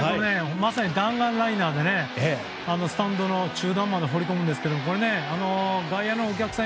まさに弾丸ライナーでスタンドの中段まで放り込むんですが外野のお客さん